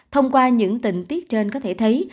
thông qua những tình tiết trên có thể thấy